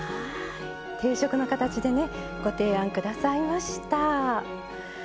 定食の形でねご提案下さいました。